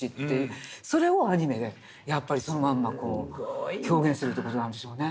それをアニメでやっぱりそのまんま表現するって事なんでしょうね。